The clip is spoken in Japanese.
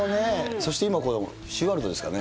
そして今これ、シーワールドですかね。